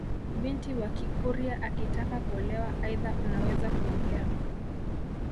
Binti wa kikurya akitaka kuolewa aidha unaweza kuongea